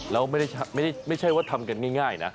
แล้วไม่ใช่ว่าทำกันง่ายนะ